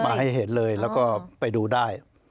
ให้เห็นเลยแล้วก็ไปดูได้